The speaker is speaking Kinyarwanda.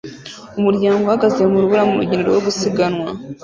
Umuryango uhagaze mu rubura murugendo rwo gusiganwa